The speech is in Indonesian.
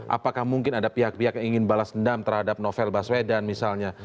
apakah mungkin ada pihak pihak yang ingin balas dendam terhadap novel baswedan misalnya